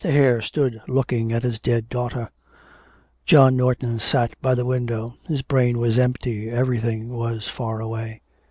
Hare stood looking at his dead daughter; John Norton sat by the window. His brain was empty, everything was far away.